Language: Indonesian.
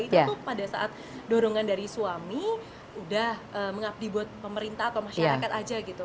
itu tuh pada saat dorongan dari suami udah mengabdi buat pemerintah atau masyarakat aja gitu